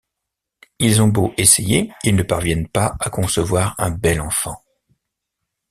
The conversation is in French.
Ils ont beau essayer, ils ne parviennent pas à concevoir un bel enfant.